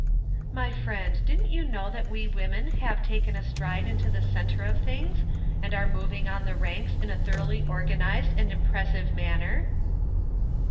"My friend, didn't you know that we women had taken a stride into the centre of things, and are moving on the ranks in a thoroughly organized and impressive manner